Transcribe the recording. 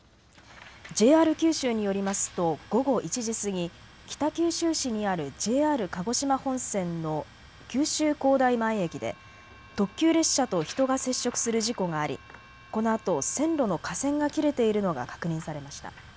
ＪＲ九州によりますと午後１時過ぎ、北九州市にあるＪＲ鹿児島本線の九州工大前駅で特急列車と人が接触する事故がありこのあと線路の架線が切れているのが確認されました。